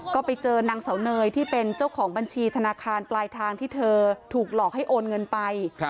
ก็ไปเจอนางเสาเนยที่เป็นเจ้าของบัญชีธนาคารปลายทางที่เธอถูกหลอกให้โอนเงินไป